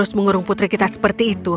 jika kita mengurung putri kita seperti itu